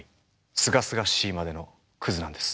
すがすがしいまでのクズなんです。